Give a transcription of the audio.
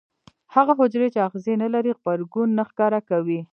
هغه حجرې چې آخذې نه لري غبرګون نه ښکاره کوي.